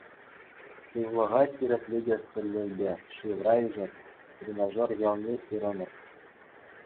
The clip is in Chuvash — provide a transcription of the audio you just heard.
Сывлӑха ҫирӗплетес тӗллевпе шывра ишӗр, тренажер залне ҫырӑнӑр.